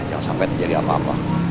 jangan sampai terjadi apa apa